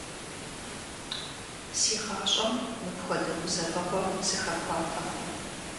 Си гъащӀэм мыпхуэдэ гузэвэгъуэ сыхэхуатэкъым.